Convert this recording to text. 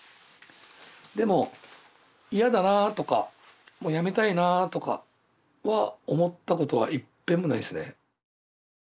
でも嫌だなとかもうやめたいなとかは思ったことはいっぺんもないですね。